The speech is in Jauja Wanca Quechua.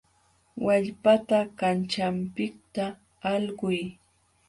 Wallpata kanćhanpiqta alquy.